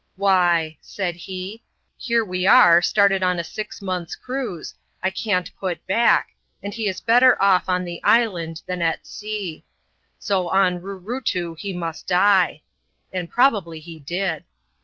" Why, said he, " here we are — started on a six months' cruise — I can't put back ; and he is better off on the island than at sea. So on Roorootoo he must die." And probably he did.